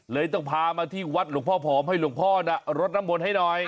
เลยต้องพามาที่วัดหลวงพ่อผอมให้หลวงพ่อน่ะรดน้ำมนต์ให้หน่อย